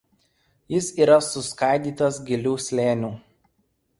Jis yra suskaidytas gilių slėnių.